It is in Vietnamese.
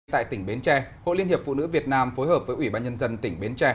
tại tỉnh bến tre hội liên hiệp phụ nữ việt nam phối hợp với ủy ban nhân dân tỉnh bến tre